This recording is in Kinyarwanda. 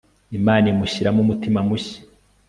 imana imushyiramo umutima mushya